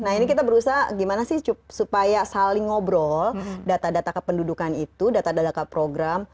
nah ini kita berusaha gimana sih supaya saling ngobrol data data kependudukan itu data data program